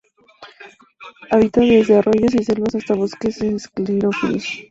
Habita desde arroyos y selvas hasta bosques esclerófilos.